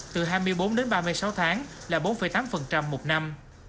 từ hai mươi bốn đến ba mươi sáu tháng là bốn tám phần trăm một năm